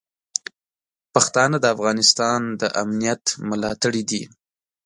پښتانه د افغانستان د امنیت ملاتړي دي.